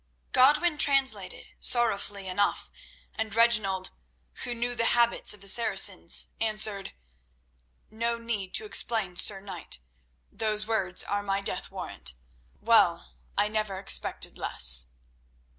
Godwin translated, sorrowfully enough, and Reginald, who knew the habits of the Saracens, answered: "No need to explain, Sir Knight, those words are my death warrant. Well, I never expected less."